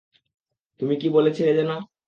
তুমি কী বলছিলে যেন?